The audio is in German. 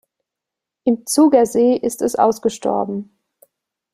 Im Zugersee ist es ausgestorben.